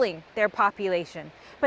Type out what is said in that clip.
hampir berdua populasi mereka